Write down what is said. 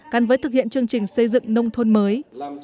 gắn với thực hiện chương trình xây dựng nông thôn mới